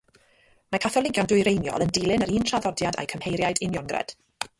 Mae Catholigion Dwyreiniol yn dilyn yr un traddodiad â'u cymheiriaid Uniongred.